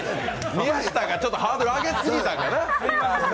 宮下がちょっとハードル上げすぎたかな。